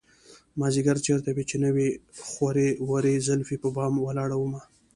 مازديگر چېرته وې چې نه وې خورې ورې زلفې په بام ولاړه ومه